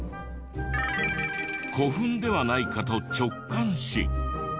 古墳ではないかと直感し。